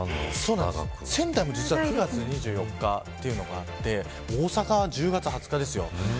仙台も実は９月２４日というのがあって大阪は１０月２０日ですよ。